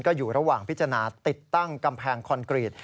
ก็อยู่ระหว่างพิจารณาติดตั้งกำแพงคอนกรีต